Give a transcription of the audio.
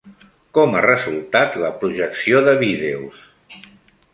Com ha resultat la projecció de vídeos?